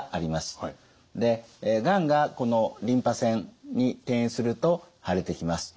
でがんがこのリンパ腺に転移すると腫れてきます。